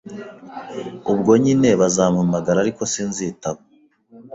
Ubwo nyine bazampamagara ariko sinzitaba